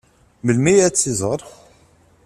Melmi ad tt-iẓeṛ?